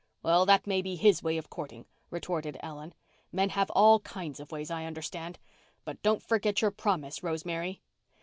"Well, that may be his way of courting," retorted Ellen. "Men have all kinds of ways, I understand. But don't forget your promise, Rosemary."